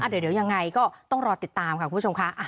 เดี๋ยวยังไงก็ต้องรอติดตามค่ะคุณผู้ชมค่ะ